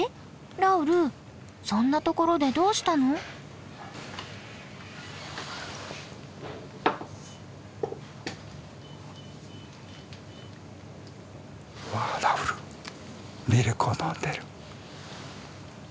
ラウルそんな所でどうしたの？わラウルミルクを飲んでる。